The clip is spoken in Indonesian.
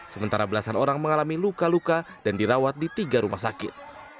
sementara belasan orang mengalami luka luka dan dirawat di tiga rumah sakit